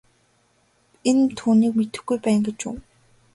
Энэ түүнийг мэдэхгүй байна гэж үү.